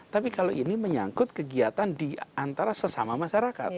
tapi kalau ini menyangkut kegiatan di antara sesama masyarakat